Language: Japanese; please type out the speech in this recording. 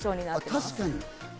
確かに。